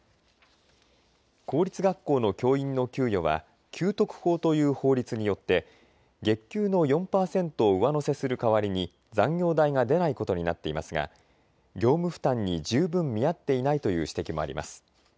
公立学校の教員の給与は給特法という法律によって月給の４％を上乗せする代わりに残業代が出ないことになっていますが業務負担に十分見合っていないという指摘もあります。